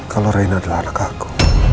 kalo reina adalah anak aku